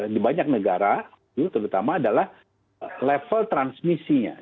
di banyak negara terutama adalah level transmisinya